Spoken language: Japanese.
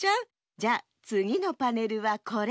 じゃつぎのパネルはこれ！